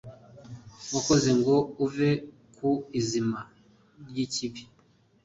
wakoze ngo uve ku izima ry'ikibi